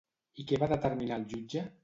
I què va determinar el jutge?